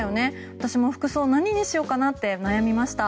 私も服装、何にしようかなって悩みました。